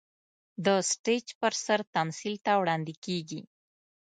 د سټېج پر سر تمثيل ته وړاندې کېږي.